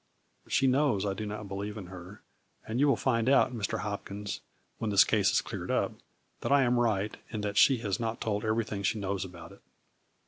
She knows I do not believe in her, and you will find out, Mr. Hopkins, when this case is cleared up, that I am right, and that she has not told everything she knows about it."